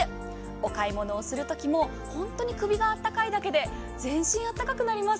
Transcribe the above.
お買い物をするときも本当に首があったかいだけで全身あったかくなります。